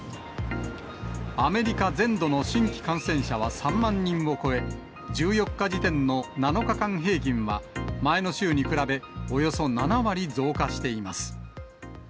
アメリカ全土の新規感染者は３万人を超え、１４日時点の７日間平均は、前の週に比べ、およそ７割増加しています。